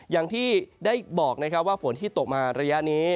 อย่างที่ได้บอกนะครับว่าฝนที่ตกมาระยะนี้